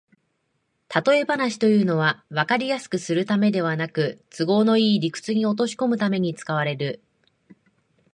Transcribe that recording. たとえ話というのは、わかりやすくするためではなく、都合のいい理屈に落としこむために使われる